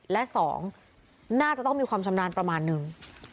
และ๒น่าจะต้องมีความชำนาญประมาณนึง